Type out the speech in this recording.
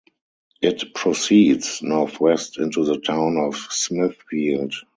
It proceeds northwest into the town of Smithfield.